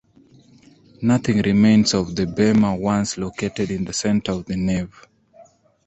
Nothing remains of the bema once located in the center of the nave.